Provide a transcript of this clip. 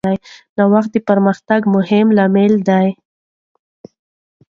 نوښت د پرمختګ مهم لامل دی.